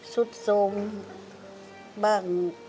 สุดทรงบ้าง